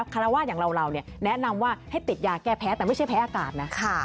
คาราวาสอย่างเราแนะนำว่าให้ติดยาแก้แพ้แต่ไม่ใช่แพ้อากาศนะ